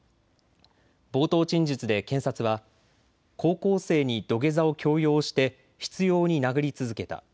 冒頭陳述で検察は高校生に土下座を強要して執ように殴り続けた。